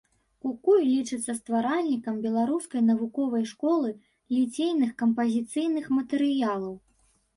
Кукуй лічыцца стваральнікам беларускай навуковай школы ліцейных кампазіцыйных матэрыялаў.